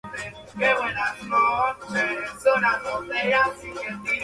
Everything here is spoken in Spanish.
Nunca debe ser el protagonista de la reunión, acaparando el tiempo de todos.